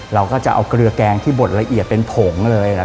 เราก็จะเอาเกลือแกงที่บดละเอียดเป็นผงเลย